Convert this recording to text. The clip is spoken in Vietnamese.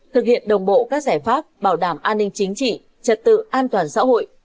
thực hiện đồng bộ các giải pháp bảo đảm an ninh chính trị trật tự an toàn xã hội